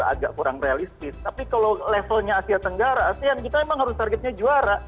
agak kurang realistis tapi kalau levelnya asia tenggara asean kita memang harus targetnya juara